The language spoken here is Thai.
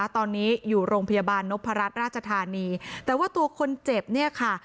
ตอนนี้อยู่โรงพยาบาลนพรัชราชธานีแต่ว่าตัวคนเจ็บเนี่ยค่ะ